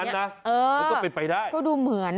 มันก็เป็นไปได้ก็ดูเหมือน